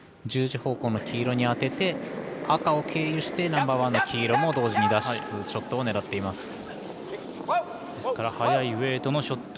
１０時方向の黄色に当てて赤を経由してナンバーワンの黄色も同時に出すショットを狙っています。